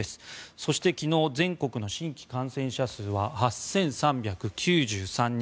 そして昨日、全国の新規感染者数は８３９３人。